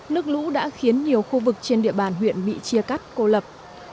nước lũ đã khiến nhiều khu vực trên địa bàn huyện bị chia cắt cô lập